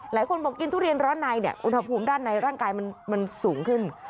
หลายคนบอกกินทุเรียนร้อนในเนี่ยอุณหภูมิด้านในร่างกายมันสูงขึ้น